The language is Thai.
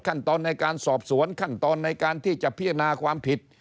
ขั้นตอนในการสอบสวนขั้นตอนในการที่จะพิจารณาความผิด